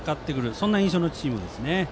そんな印象のチームです。